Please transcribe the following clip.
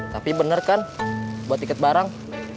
tapi bener kan buat tiket barang